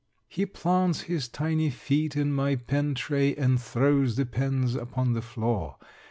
He plants his tiny feet in my pen tray and throws the pens upon the floor.